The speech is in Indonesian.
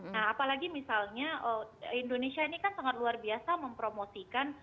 nah apalagi misalnya indonesia ini kan sangat luar biasa mempromosikan